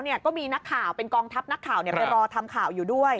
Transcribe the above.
ก็มีนักข่าวเป็นกองทัพนักข่าวไปรอทำข่าวอยู่ด้วย